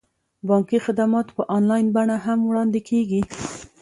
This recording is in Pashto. بانکي خدمات په انلاین بڼه هم وړاندې کیږي.